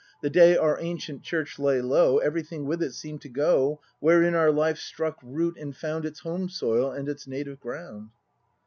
The day our ancient Church lay low, Everything with it seem'd to go Wherein our life struck root and found Its home soil and its native ground.